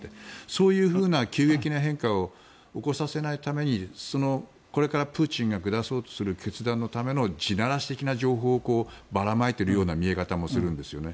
そういう急激な変化を起こさせないためにこれからプーチンが下そうとする決断のための地ならし的な情報をばらまいているような見え方もするんですよね。